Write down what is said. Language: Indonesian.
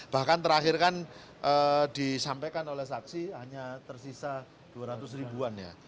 bahkan terakhir kan disampaikan oleh saksi hanya tersisa dua ratus ribuan ya